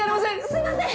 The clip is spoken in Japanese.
すいません！